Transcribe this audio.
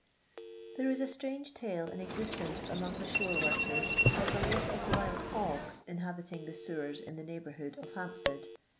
There is a strange tale in existence among the shore workers, of a race of wild hogs inhabiting the sewers in the neighbourhood of Hampstead.